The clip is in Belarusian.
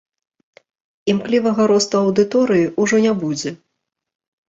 Імклівага росту аўдыторыі ўжо не будзе.